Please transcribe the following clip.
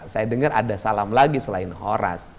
saya dengar ada salam lagi selain horas